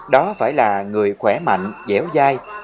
đó phải là người khỏe mạnh dẻo dai